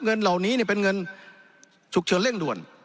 เงินเหล่านี้เป็นเงินฉุกเฉินเร่งด่วน